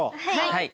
はい。